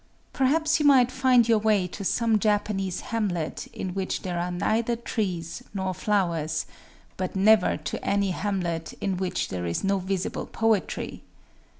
Perhaps you might find your way to some Japanese hamlet in which there are neither trees nor flowers, but never to any hamlet in which there is no visible poetry.